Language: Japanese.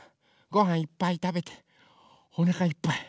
ごはんいっぱいたべておなかいっぱい。